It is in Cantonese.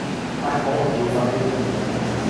但係我唔要瞓呢度